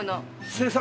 生産？